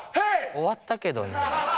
終わったけど。